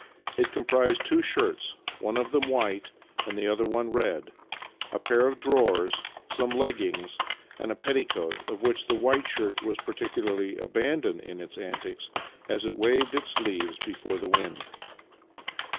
It comprised two shirts (one of them white and the other one red), a pair of drawers, some leg gings, and a petticoat, of which the white shirt was particularly abandoned in its antics as it waved its sleeves before the wind.